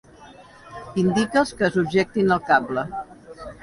Indica'ls que subjectin el cable.